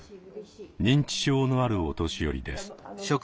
認知症のあるお年寄りです。